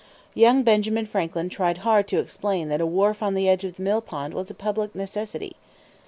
Young Benjamin Franklin tried hard to explain that a wharf on the edge of the millpond was a public necessity.